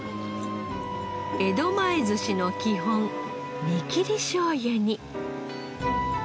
江戸前寿司の基本煮切りしょうゆに。